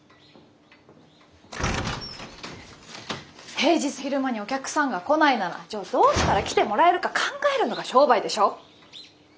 平日の昼間にお客さんが来ないならじゃあどうしたら来てもらえるか考えるのが商売でしょ！